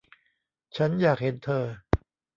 ฉันอยากเห็นเธอ